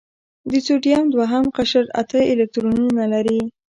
د سوډیم دوهم قشر اته الکترونونه لري.